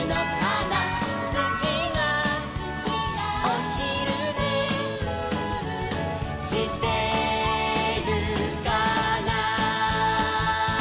「つきがおひるねしてるかな」